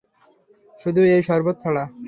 শুধু এই সরবত ছাড়া।